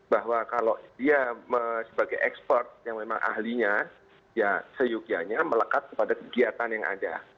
bahwa kalau dia sebagai expert yang memang ahlinya ya seyogianya melekat kepada kegiatan yang ada